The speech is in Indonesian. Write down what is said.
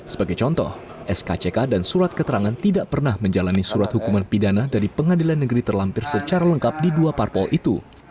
sebagai contoh skck dan surat keterangan tidak pernah menjalani surat hukuman pidana dari pengadilan negeri terlampir secara lengkap di dua parpol itu